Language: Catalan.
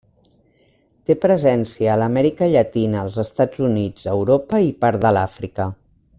Té presència a l'Amèrica Llatina, els Estats Units, Europa i part de l'Àfrica.